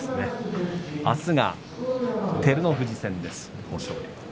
あすは照ノ富士戦豊昇龍です。